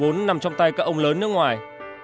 vốn nằm trong tay các ông lớn nước ngoài